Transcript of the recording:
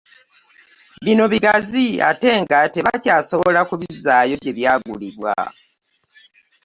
Bino bigazi ate nga tebakyasobola kubizzaayo gye byagulibwa